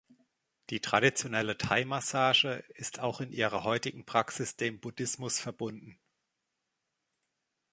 Die traditionelle Thai-Massage ist auch in ihrer heutigen Praxis dem Buddhismus verbunden.